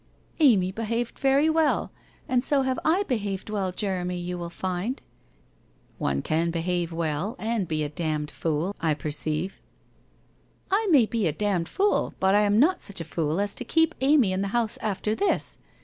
' Amy behaved very well. And so have I behaved well, Jeremy, you will find/ ' One can behave well, and be a damned fool, I per ceive/ ' I may be a damned fool, but I am not such a fool as to keep Amy in the house after this.